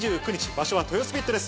場所は豊洲ＰＩＴです。